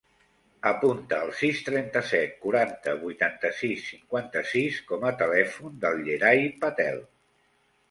Apunta el sis, trenta-set, quaranta, vuitanta-sis, cinquanta-sis com a telèfon del Yeray Patel.